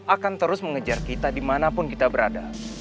akan terus mengejar kita dimanapun kita berada